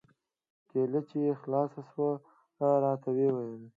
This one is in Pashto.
کېله چې يې خلاصه سوه راته ويې ويل.